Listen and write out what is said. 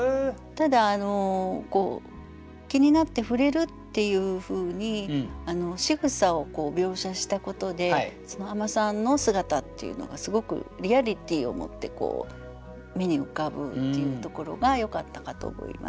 ただ気になって触れるっていうふうにしぐさを描写したことで海女さんの姿っていうのがすごくリアリティーをもって目に浮かぶっていうところがよかったかと思います。